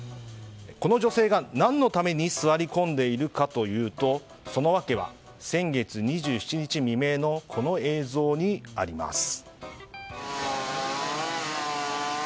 この女性が何のために座り込んでいるかというとその訳は先月２７日未明のこの映像にあります。